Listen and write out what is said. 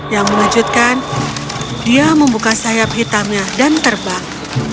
yang mengejutkan dia membuka sayap hitamnya dan terbang